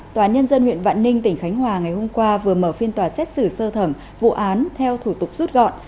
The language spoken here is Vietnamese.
tòa nhân dân huyện vạn ninh tỉnh khánh hòa ngày hôm qua vừa mở phiên tòa xét xử sơ thẩm vụ án theo thủ tục rút gọn